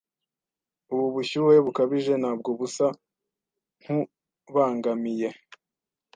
Ubu bushyuhe bukabije ntabwo busa nkubangamiye.